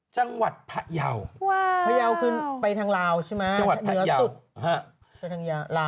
จังหวัดผัยาวผัยาวคือไปทางลาวใช่ไหมเหนือสุด